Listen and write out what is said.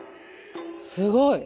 すごい！